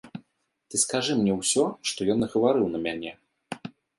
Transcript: Ты скажы мне ўсё, што ён нагаварыў на мяне.